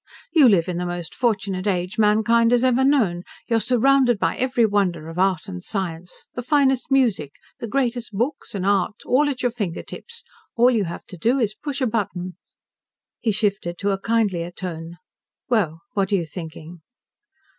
"You live in the most fortunate age mankind has ever known. You are surrounded by every wonder of art and science. The finest music, the greatest books and art, all at your fingertips. All you have to do is push a button." He shifted to a kindlier tone. "Well, what are you thinking?"